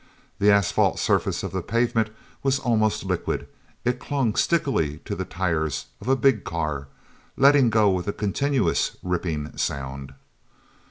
The asphalt surface of the pavement was almost liquid; it clung stickily to the tires of a big car, letting go with a continuous, ripping sound.